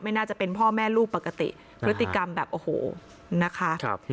น่าจะเป็นพ่อแม่ลูกปกติพฤติกรรมแบบโอ้โหนะคะ